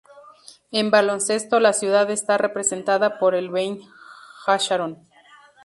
En baloncesto, la ciudad está representada por el Bnei Hasharon.